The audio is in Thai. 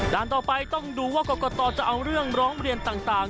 ด้านต่อไปต้องดูว่ากรกตจะเอาเรื่องร้องเรียนต่าง